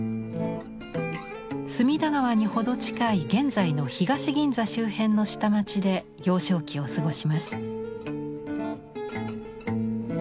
隅田川に程近い現在の東銀座周辺の下町で幼少期を過ごします。